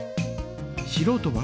しろうとは？